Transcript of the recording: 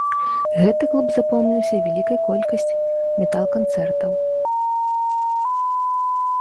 Гэты клуб запомніўся вялікай колькасць метал-канцэртаў.